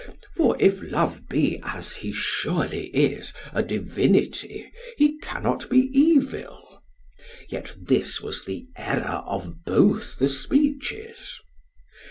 For if love be, as he surely is, a divinity, he cannot be evil. Yet this was the error of both the speeches.